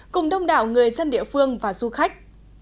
cùng đông đảo người dân địa phương và du khách